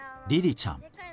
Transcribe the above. ちゃん。